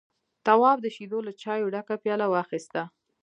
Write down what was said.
تواب د شيدو له چايو ډکه پياله واخيسته.